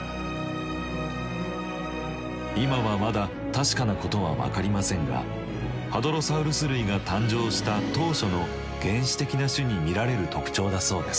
今はまだ確かなことは分かりませんがハドロサウルス類が誕生した当初の原始的な種に見られる特徴だそうです。